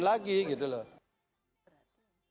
tidak boleh dikembalikan lagi